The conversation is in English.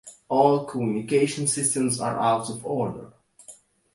All communication systems are out of order.